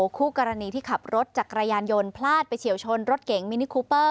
คู่กรณีที่ขับรถจักรยานยนต์พลาดไปเฉียวชนรถเก๋งมินิคูเปอร์